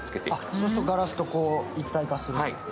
そうするとガラスと一体化すると。